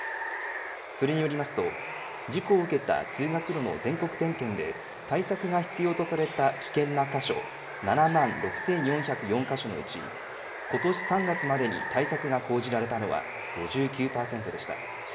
それによりますと事故を受けた通学路の全国点検で対策が必要とされた危険な箇所７万６４０４か所のうちことし３月までに対策が講じられたのは５９％でした。